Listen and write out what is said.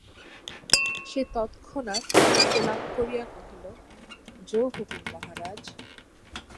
সে তৎক্ষণাৎ সেলাম করিয়া কহিল, যো হুকুম মহারাজ।